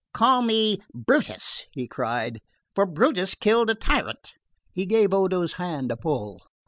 "Call me Brutus," he cried, "for Brutus killed a tyrant." He gave Odo's hand a pull.